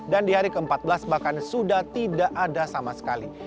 dan di hari ke empat belas bahkan sudah tidak ada sama sekali